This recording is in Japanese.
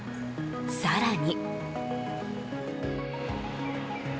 更に。